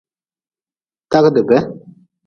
Tagdi be.